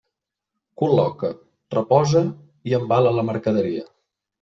Col·loca, reposa i embala la mercaderia.